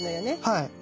はい。